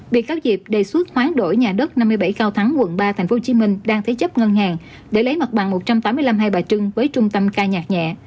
bị cáo dịp đề xuất hoán đổi nhà đất năm mươi bảy cao thắng quận ba tp hcm đang thế chấp ngân hàng để lấy mặt bằng một trăm tám mươi năm hai bà trưng với trung tâm ca nhạc nhẹ